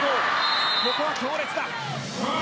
ここは強烈だ。